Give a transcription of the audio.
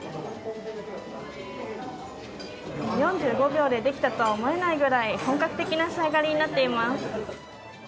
４５秒で出来たとは思えないぐらい、本格的な仕上がりになっています。